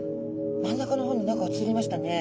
真ん中の方に何か映りましたね。